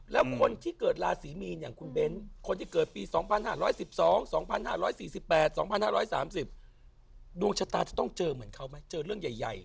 แล้วคนที่เกิดราศีมีนอย่างคุณเบ้นคนที่เกิดปี๒๕๑๒๒๕๔๘๒๕๓๐ดวงชะตาจะต้องเจอเหมือนเขาไหมเจอเรื่องใหญ่